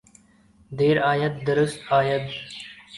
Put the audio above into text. دیر آید درست آید۔